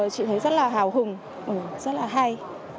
chị thấy rất là hào hùng rất là hay